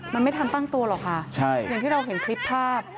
มันไม่ทันตั้งตัวหรอกค่ะอย่างที่เราเห็นคลิปภาพ